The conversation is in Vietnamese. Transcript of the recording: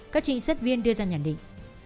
các trinh sát viên đưa ra nhận định